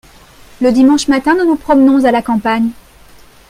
le dimanche matin nous nous promenons à la campagne.